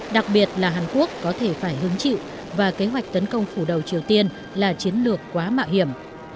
đặc biệt là hàn quốc có thể phải hứng chịu và kế hoạch tấn công phủ đầu triều tiên là chiến lược quá mạo hiểm